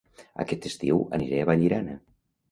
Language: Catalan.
Aquest estiu aniré a Vallirana